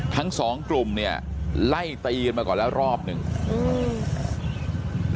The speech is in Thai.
ทั้งสองกลุ่มเนี่ยไล่ตีกันมาก่อนแล้วรอบหนึ่งอืม